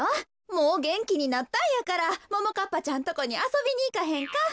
もうげんきになったんやからももかっぱちゃんとこにあそびにいかへんか？